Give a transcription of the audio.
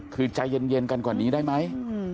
คือใจเย็นกันกว่านี้ได้ไหม